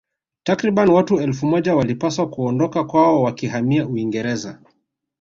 Takriban watu elfu moja walipaswa kuondoka kwao wakihamia Uingereza